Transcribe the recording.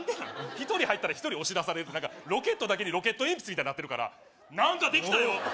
１人入ったら１人押し出されるって何かロケットだけにロケット鉛筆みたいになってるから何かできたよ